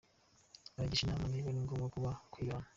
Aragisha inama, niba agomba kujya kwibana?.